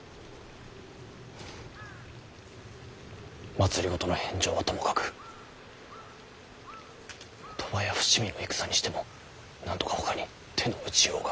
政の返上はともかく鳥羽や伏見の戦にしてもなんとかほかに手の打ちようが。